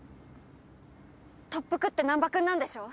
特服って難破君なんでしょ？